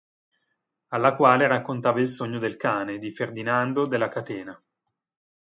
Alla quale raccontava il sogno del cane, di Ferdinando, della catena.